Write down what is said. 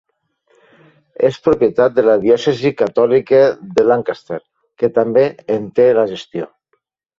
És propietat de la diòcesi catòlica de Lancaster, que també en té la gestió.